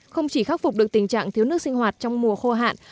không chỉ khắc phục được tình trạng thiếu nước sinh hoạt trong mùa khô hạn